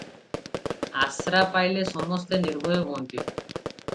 ଆଶ୍ରା ପାଇଲେ ସମସ୍ତେ ନିର୍ଭୟ ହୁଅନ୍ତି ।